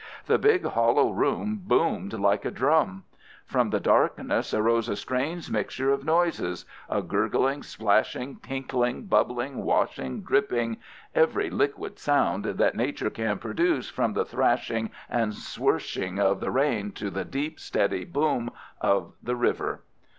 The big hollow room boomed like a drum. From the darkness arose a strange mixture of noises, a gurgling, splashing, tinkling, bubbling, washing, dripping—every liquid sound that nature can produce from the thrashing and swishing of the rain to the deep steady boom of the river.